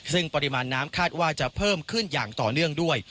ซึ่งปริมาณน้ำคาดว่าจะเพิ่มขึ้นอย่างต่อเนื่องด้วย